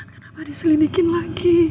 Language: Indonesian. kenapa diselidikin lagi